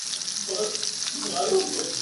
موږ یې په لمبه کي د زړه زور وینو !.